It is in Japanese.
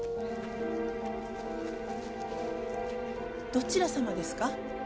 どちら様ですか？